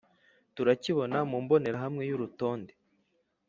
Turakibona mu mbonerahamwe y’urutonde